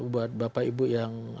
buat bapak ibu yang